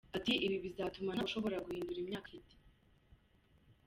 Ati "Ibi bizatuma ntawe ushobora guhindura imyaka afite.